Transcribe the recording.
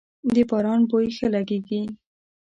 د باران بوی ښه لږیږی